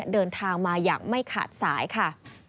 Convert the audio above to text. เดินทางมาอย่างไม่ขาดสายค่ะ